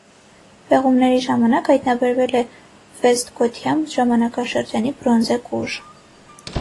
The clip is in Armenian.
Պեղումների ժամանակ հայտնաբերվել է վեստգոթյան ժամանակաշրջանի բրոնզե կուժ։